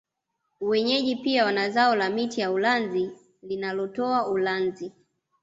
Wenyeji pia wanazao la miti ya ulanzi linalotoa ulanzi